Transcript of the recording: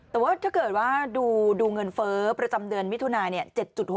แต่ว่าถ้าเกิดว่าดูเงินเฟ้อประจำเดือนมิถุนายเนี่ย๗๖